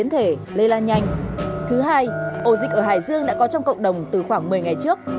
thứ hai ổ dịch ở hải dương đã có trong cộng đồng từ khoảng một mươi ngày trước